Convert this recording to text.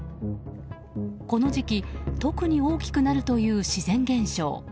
この時期、特に大きくなるという自然現象。